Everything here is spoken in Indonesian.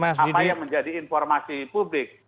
apa yang menjadi informasi publik